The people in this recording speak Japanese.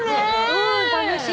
うん楽しみ。